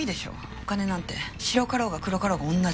お金なんて白かろうが黒かろうが同じ。